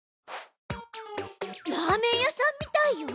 ラーメン屋さんみたいよ！